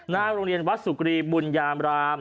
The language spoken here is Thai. หน้าโรงเรียนวัดสุกรีบุญยามราม